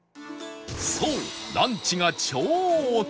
そうランチが超お得